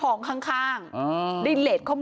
แล้วเขาบอกว่าผมขอดูอีกรอบครับ